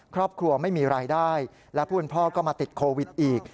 ครอบครัวไม่มีรายได้และผู้เป็นพ่อก็มาติดโควิดอีก